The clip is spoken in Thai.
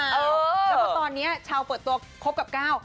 แล้วก็ตอนนี้ชาวเปิดตัวคบกับก้าว